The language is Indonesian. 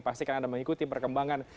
pastikan anda mengikuti perkembangan